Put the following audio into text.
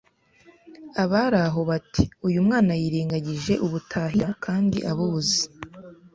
Abari aho bati uyu mwana yirengagije ubutahira kandi abuzi